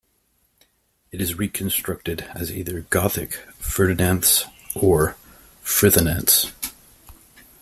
It is reconstructed as either Gothic "Ferdinanths" or "Frithunanths".